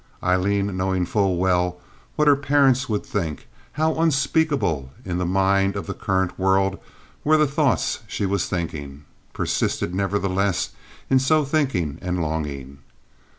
Aileen, knowing full well what her parents would think, how unspeakable in the mind of the current world were the thoughts she was thinking, persisted, nevertheless, in so thinking and longing.